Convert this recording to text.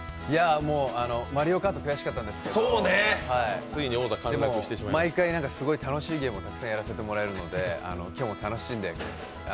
もう、「マリオカート」悔しかったんですけどでも毎回すごい楽しいゲームをたくさんやらせてもらえるので今日も楽しんで。